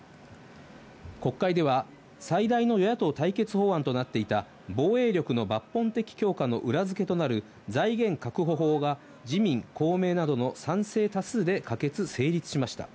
国会では、最大の与野党対決法案となっていた防衛力の抜本的強化の裏付けとなる財源確保法が、自民・公明などの賛成多数で可決・成立しました。